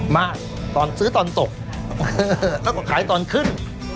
มากตอนซื้อตอนตกแล้วก็ขายตอนขึ้น